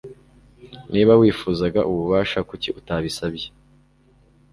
Niba wifuzaga ubufasha, kuki utabisabye?